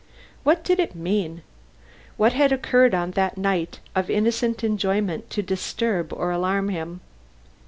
What did it mean? What had occurred on that night of innocent enjoyment to disturb or alarm him?